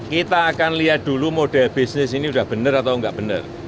kita akan lihat dulu model bisnis ini sudah benar atau enggak benar